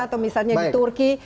atau misalnya di turki